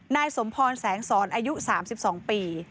นายสมพรแสงสอนอายุ๓๒ปี